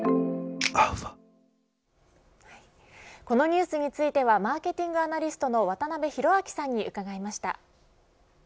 このニュースについてはマーケティングアナリストの渡辺広明さんに伺いました。